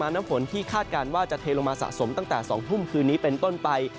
น้ำฝนที่คาดการณ์ว่าจะเทลงมาสะสมตั้งแต่๒ทุ่มคืนนี้เป็นต้นไป